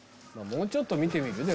もうちょっと見てみる？